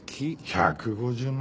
１５０万。